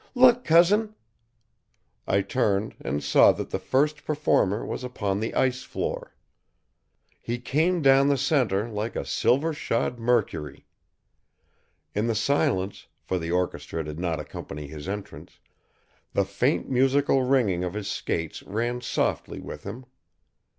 Look, Cousin!" I turned, and saw that the first performer was upon the ice floor. He came down the center like a silver shod Mercury. In the silence, for the orchestra did not accompany his entrance, the faint musical ringing of his skates ran softly with him.